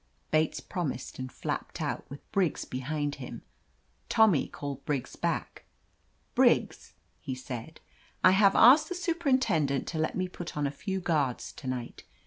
Bates promised and flapped out, with Briggs behind him. Tommy called Briggs back. *'Briggs," he said, "I have asked the superin tendent to let me put on a few guards to night.